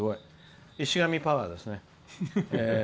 石上パワーですね。